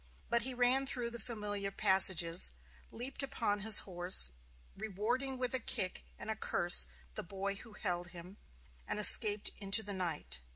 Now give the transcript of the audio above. But he ran through the familiar passages, leaped upon his horse, rewarding with a kick and a curse the boy who held him, and escaped into the night.